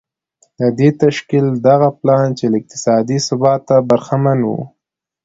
د دې تشکيل هغه پلان چې له اقتصادي ثباته برخمن و.